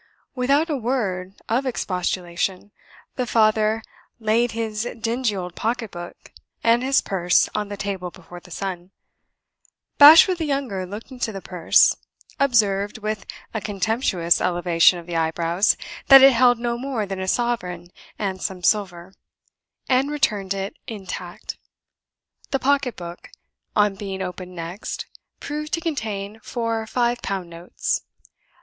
Without a word of expostulation, the father laid his dingy old pocket book and his purse on the table before the son. Bashwood the younger looked into the purse; observed, with a contemptuous elevation of the eyebrows, that it held no more than a sovereign and some silver; and returned it intact. The pocket book, on being opened next, proved to contain four five pound notes.